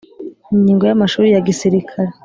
Ingingo ya amashuli ya gisirikare